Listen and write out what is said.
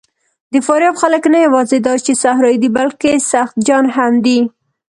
د فاریاب خلک نه یواځې دا چې صحرايي دي، بلکې سخت جان هم دي.